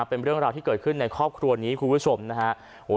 เป็นเรื่องราวที่เกิดขึ้นในครอบครัวนี้คุณผู้ชมนะฮะ